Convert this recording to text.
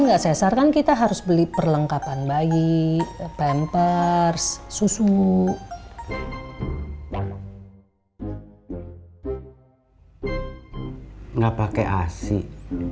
nggak cesar kan kita harus beli perlengkapan bayi pempers susu enggak pakai asyik